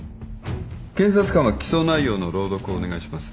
検察官は起訴内容の朗読をお願いします。